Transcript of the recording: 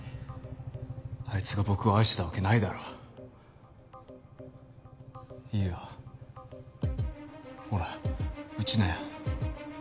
あいつが僕を愛してたわけないだろいいよほら撃ちなよ